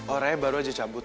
oh raya baru aja cabut